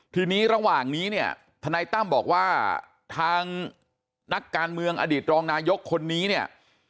ทีนี้ระหว่างนี้เนี่ยทนายตั้มบอกว่าทางนักการเมืองอดีตรองนายกคนนี้เนี่ย